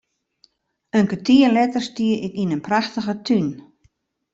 In kertier letter stie ik yn in prachtige tún.